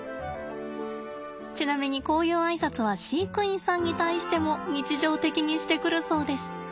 ちなみにこういうあいさつは飼育員さんに対しても日常的にしてくるそうです。